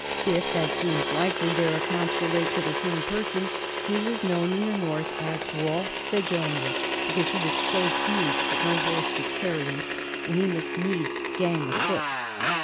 If, as seems likely, their accounts relate to the same person, he was known in the north as Hrolf the Ganger, because he was so huge that no horse could carry him and he must needs gang afoot.